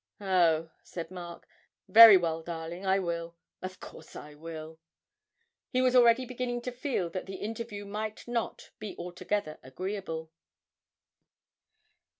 'Oh,' said Mark, 'very well, darling, I will of course I will!' He was already beginning to feel that the interview might not be altogether agreeable.